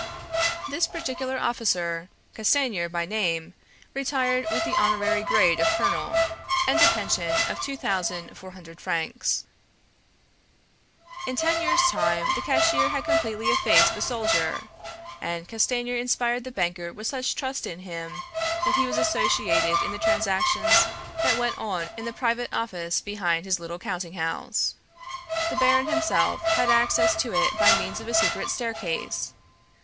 This particular officer, Castanier by name, retired with the honorary grade of colonel, and a pension of two thousand four hundred francs. In ten years' time the cashier had completely effaced the soldier, and Castanier inspired the banker with such trust in him, that he was associated in the transactions that went on in the private office behind his little counting house. The baron himself had access to it by means of a secret staircase.